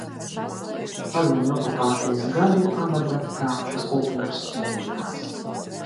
Padomju okupācijas gadu pavada kā fizkultūras skolotājs.